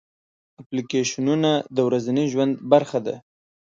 اپلیکیشنونه د ورځني ژوند برخه ده.